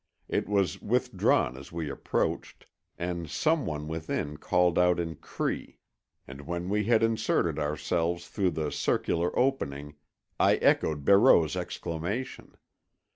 It was withdrawn as we approached, and some one within called out in Cree. And when we had inserted ourselves through the circular opening I echoed Barreau's exclamation.